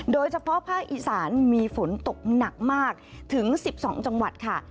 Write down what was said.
โดยเฉพาะภาคอีสานมีฝนตกหนักมากถึง๑๒จังหวัดค่ะ